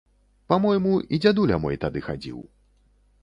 Па-мойму, і дзядуля мой тады хадзіў.